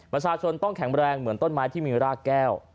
ประชาชนต้องแข็งแรงเหมือนต้นไม้ที่มีรากแก้ว